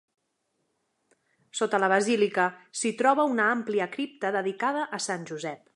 Sota la basílica s'hi troba una àmplia cripta dedicada a Sant Josep.